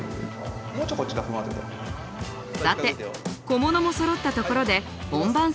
さて小物もそろったところで本番撮影。